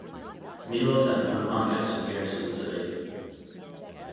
Milo sent Nicomachus who garrisoned the city.